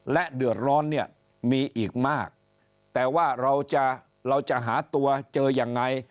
และเดือดร้อนเนี่ยมีอีกมากแต่ว่าเราจะเราจะหาตัวเจอยังไง